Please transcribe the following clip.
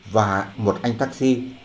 và một anh taxi